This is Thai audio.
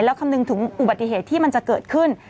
แล้วคำนึงถึงอุบัติเหตุที่มันจะเกิดขึ้น